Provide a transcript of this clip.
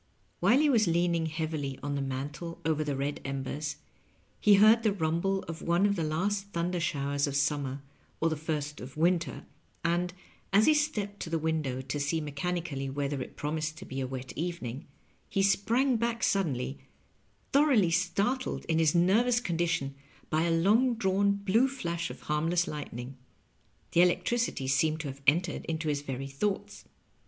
While he was leaning heavily on the mantel over the red embers, he heard the rumble of one of the last thunder showers of summer or the first of winter, and, as he stepped to the window to see mechan ically whether it promised to be a wet evening, he sprang back suddenly, thoroughly startled in his nervous condi tion by a long drawn blue flash of harmless lightning. The electricity seemed to have entered into his very thoughts.